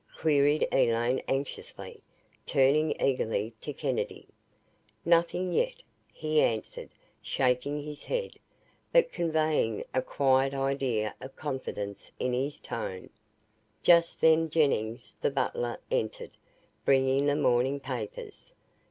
queried Elaine anxiously, turning eagerly to Kennedy. "Nothing yet," he answered shaking his head, but conveying a quiet idea of confidence in his tone. Just then Jennings, the butler, entered, bringing the morning papers.